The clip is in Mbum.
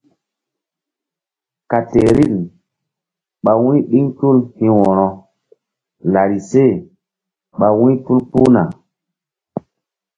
Katerin ɓa wu̧y ɗiŋ tul hi̧ wo̧ro larise ɓa wu̧y tul kpuhna.